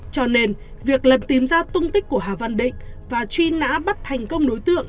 cho nên việc lần tìm ra tung tích của hà văn định và truy nã bắt thành công đối tượng